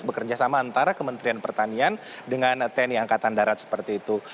bekerja sama antara kementerian pertanian dengan tni angkatan darat seperti itu